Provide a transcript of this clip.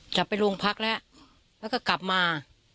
จะไปโรงพักแล้วแล้วก็กลับมา